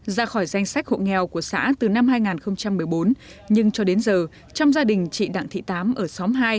ra khỏi danh sách hộ nghèo của xã từ năm hai nghìn một mươi bốn nhưng cho đến giờ trong gia đình chị đặng thị tám ở xóm hai